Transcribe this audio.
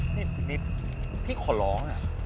นิดนิดพี่ขอร้องอะ